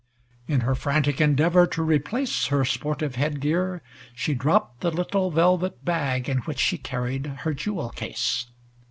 In her frantic endeavor to replace her sportive headgear, she dropped the little velvet bag in which she carried her jewel case.